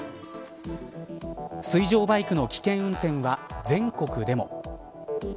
水上バイクの危険運転は全国でも。